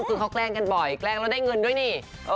คือเขาแกล้งกันบ่อยแกล้งแล้วได้เงินด้วยนี่